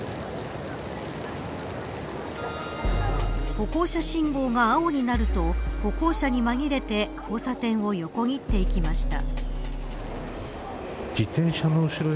歩行者信号が青になると歩行者に紛れて交差点を横切っていきました。